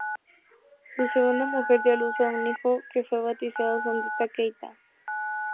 Su segunda mujer dio a luz a un hijo que fue bautizado Sundiata Keita.